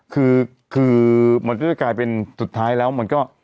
คือคือมันก็จะกลายเป็นสุดท้ายแล้วมันก็